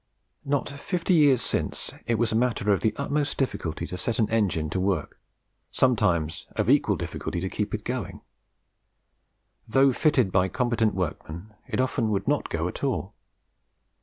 Not fifty years since it was a matter of the utmost difficulty to set an engine to work, and sometimes of equal difficulty to keep it going. Though fitted by competent workmen, it often would not go at all.